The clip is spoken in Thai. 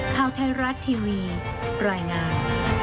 ข่าวไทยรัฐทีวีรายงาน